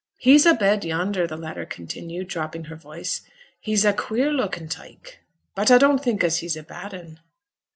'He's a bed yonder,' the latter continued, dropping her voice. 'He's a queer lookin' tyke, but a don't think as he's a bad un.'